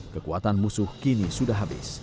kekuatan musuh kini sudah habis